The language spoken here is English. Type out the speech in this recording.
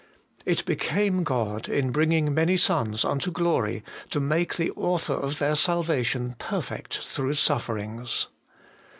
' It became God, in bringing many sons unto glory, to make the Author of their salvation perfect through sufferings.'